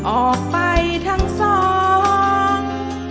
ออกไปทั้งสอง